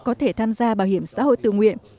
có thể tham gia bảo hiểm xã hội tự nguyện